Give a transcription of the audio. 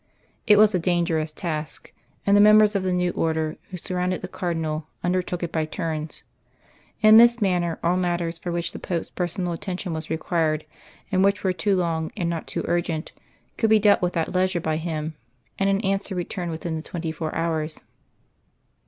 It was a dangerous task, and the members of the New Order who surrounded the Cardinal undertook it by turns. In this manner all matters for which the Pope's personal attention was required, and which were too long and not too urgent, could be dealt with at leisure by him, and an answer returned within the twenty four hours.